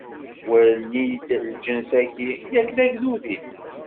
Wali-d lǧens-agi, yak d agdud-ik!